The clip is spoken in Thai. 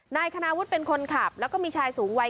นายคณาวุฒิเป็นคนขับแล้วก็มีชายสูงวัย